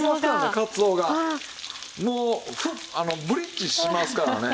もうブリッジしますからね。